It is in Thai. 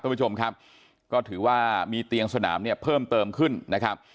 คุณผู้ชมครับก็ถือว่ามีเตียงสนามเนี่ยเพิ่มเติมขึ้นนะครับ